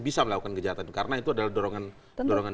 bisa melakukan kejahatan karena itu adalah dorongan